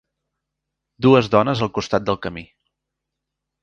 Dues dones al costat del camí.